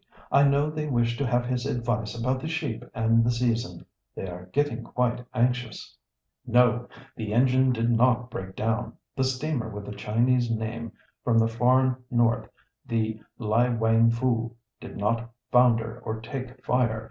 "I know they wish to have his advice about the sheep and the season. They are getting quite anxious." No! The engine did not break down. The steamer with the Chinese name, from the far north, the Ly wang foo, did not founder or take fire.